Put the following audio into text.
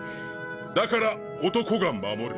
だから男が守る。